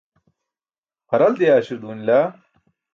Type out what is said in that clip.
haralat diyaarśar duunila